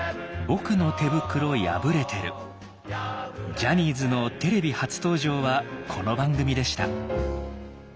ジャニーズのテレビ初登場はこの番組でした。